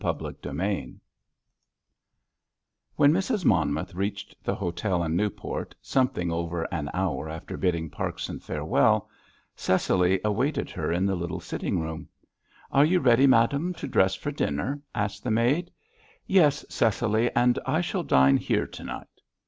CHAPTER XXVII When Mrs. Monmouth reached the hotel in Newport, something over an hour after bidding Parkson farewell, Cecily awaited her in the little sitting room. "Are you ready, madame, to dress for dinner?" asked the maid. "Yes, Cecily, and I shall dine here to night."